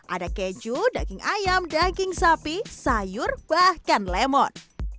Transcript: ada keju daging ayam daging sapi sayur bahkan lemon